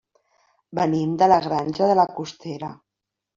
Venim de la Granja de la Costera.